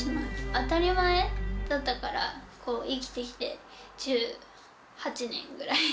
当たり前だったから、生きてきて、１８年ぐらい。